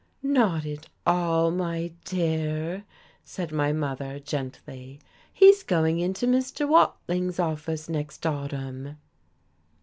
"Not at all, my dear," said my mother, gently, "he's going into Mr. Watling's office next autumn."